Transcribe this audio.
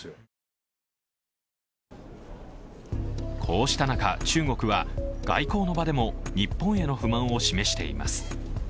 こうした中、中国は外交の場でも日本への不満を示しています。